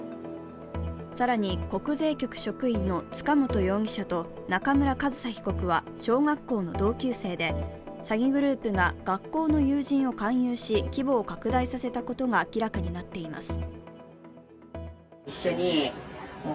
更に、国税局職員の塚本容疑者中村上総被告は小学校の同級生で、詐欺グループが学校の友人を勧誘し、規模を拡大させたことが明らかになっています。